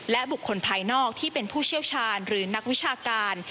และบุคคลภายนอกที่เป็นผู้เชี่ยวชาญหรือนักวิชาการ